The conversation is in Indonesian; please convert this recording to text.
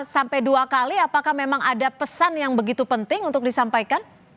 sampai dua kali apakah memang ada pesan yang begitu penting untuk disampaikan